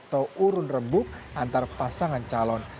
atau urun rembuk antar pasangan calon